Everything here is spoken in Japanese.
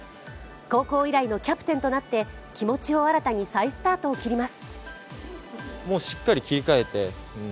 高校以来のキャプテンとなって気持ちを新たに再スタートを切ります。